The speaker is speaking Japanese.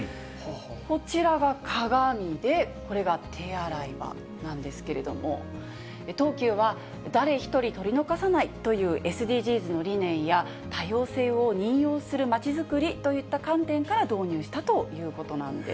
こちらが鏡で、これが手洗い場なんですけれども、東急は誰一人取り残さないというＳＤＧｓの理念や、多様性を認容する街づくりといった観点から導入したということなんです。